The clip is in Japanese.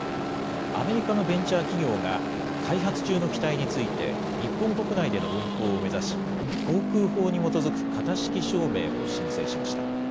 アメリカのベンチャー企業が、開発中の機体について、日本国内での運航を目指し、航空法に基づく型式証明を申請しました。